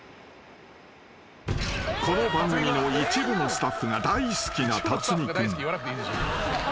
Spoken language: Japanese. ［この番組の一部のスタッフが大好きな辰巳君］